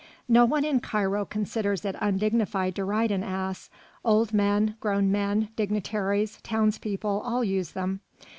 No one in Cairo considers it undignified to ride an ass, old men, grown men, dignitaries, townspeople, all use them.